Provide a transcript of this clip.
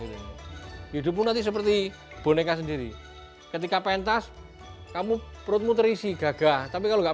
hidupmu nanti seperti boneka sendiri ketika pentas kamu perutmu terisi gagah tapi kalau enggak